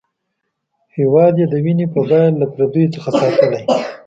هېواد یې د وینې په بیه له پردیو څخه ساتلی.